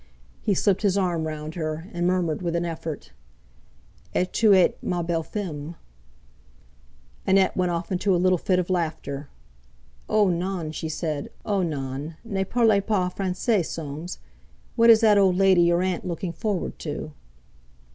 He slipped his arm round her, and murmured with an effort: "Et vous êtes ma belle femme." Annette went off into a little fit of laughter. "Oh, non!" she said. "Oh, non! ne parlez pas Français, Soames. What is that old lady, your aunt, looking forward to?"